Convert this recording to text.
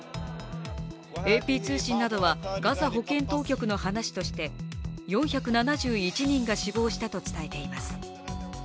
ＡＰ通信などはガザ保健当局の話として４７１人が死亡したと伝えています。